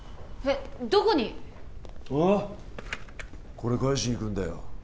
これ返しに行くんだよ